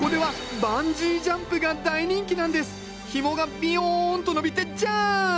ひもがびよんと伸びてジャンプ！